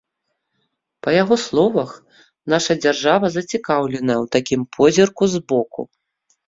Па яго словах, наша дзяржава зацікаўленая ў такім позірку збоку.